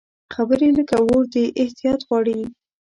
خبرې لکه اور دي، احتیاط غواړي